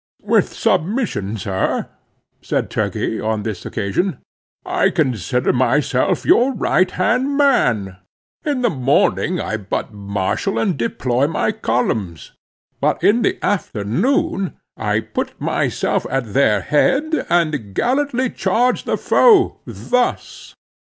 "With submission, sir," said Turkey on this occasion, "I consider myself your right hand man. In the morning I but marshal and deploy my columns; but in the afternoon I put myself at their head, and gallantly charge the foe, thus!"